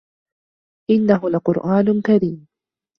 إِنَّهُ لَقُرآنٌ كَريمٌ